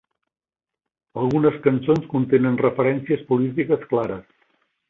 Algunes cançons contenen referències polítiques clares.